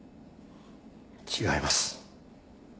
違います。